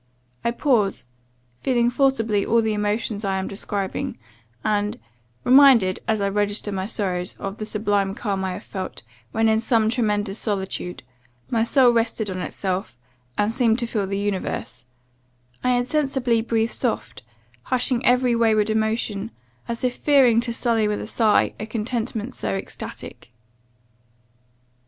I pause feeling forcibly all the emotions I am describing; and (reminded, as I register my sorrows, of the sublime calm I have felt, when in some tremendous solitude, my soul rested on itself, and seemed to fill the universe) I insensibly breathe soft, hushing every wayward emotion, as if fearing to sully with a sigh, a contentment so extatic.